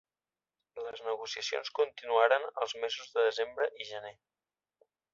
Les negociacions continuaren els mesos de desembre i gener.